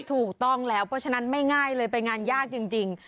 ถูกต้องแล้วเพราะฉะนั้นไม่ง่ายเลยไปงานยากจริง